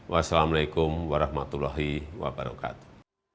wassalamualaikum warahmatullahi wabarakatuh